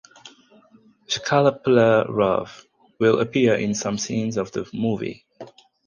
Shkaplerov will appear in some scenes of the movie.